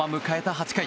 ８回。